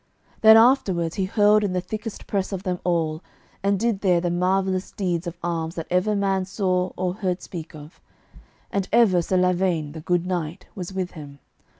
Then afterwards he hurled in the thickest press of them all, and did there the marvellousest deeds of arms that ever man saw or heard speak of; and ever Sir Lavaine, the good knight, was with him.